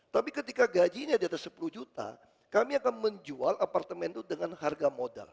tapi ketika gajinya di atas sepuluh juta kami akan menjual apartemen itu dengan harga modal